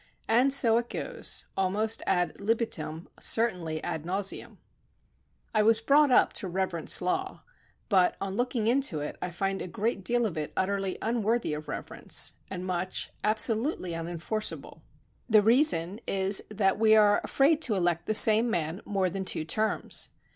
And so it goes â almost ad libi tum^ certainly ad nausetim. I was brought up to reverence law, but, on looking into it, I find a great deal of it utter ly unworthy of reverence and much absolute ly unenforceable. The reason is that we are afraid to elect the same man more than two terms.